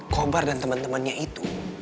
kobar dan temen temennya itu